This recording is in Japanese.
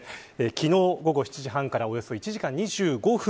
昨日、午後７時半からおよそ１時間２５分。